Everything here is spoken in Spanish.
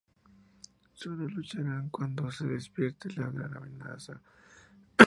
Sólo lucharán cuando se despierte la "gran amenaza".